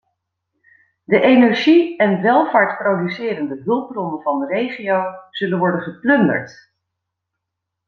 De energie en welvaart producerende hulpbronnen van de regio zullen worden geplunderd.